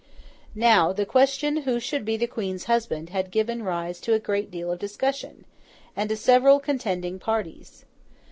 Now, the question who should be the Queen's husband had given rise to a great deal of discussion, and to several contending parties.